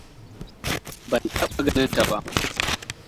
Ban taɓa ganin ta ba.